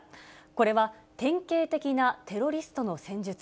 これは典型的なテロリストの戦術。